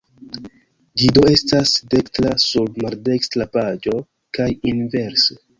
Ĝi do estas dekstra sur maldekstra paĝo kaj inverse.